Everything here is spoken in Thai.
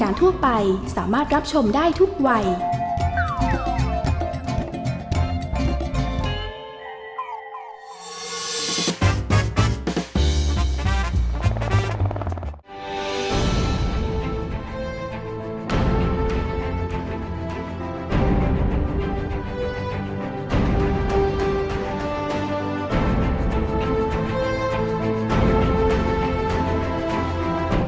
คณะธุรกิจรัฐธาบาลน้ำชาติค้าเขียวรัฐธรรม